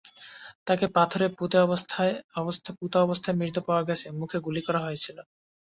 তাকে পাথরে পুঁতা অবস্থায় মৃত পাওয়া গেছে, মুখে গুলি করা হয়েছিল।